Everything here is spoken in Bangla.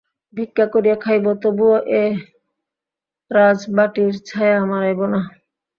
ভিক্ষা করিয়া খাইব তবুও এ রাজবাটির ছায়া মাড়াইব না।